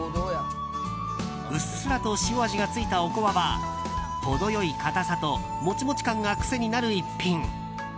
うっすらと塩味がついたおこわは程よい硬さともちもち感が癖になる逸品。